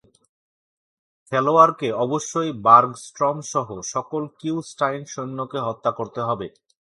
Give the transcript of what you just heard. খেলোয়াড়কে অবশ্যই বার্গস্ট্রম সহ সকল কিউ-স্টাইন সৈন্যকে হত্যা করতে হবে।